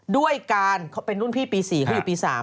ด้วยการเขาเป็นรุ่นพี่ปี๔เขาอยู่ปี๓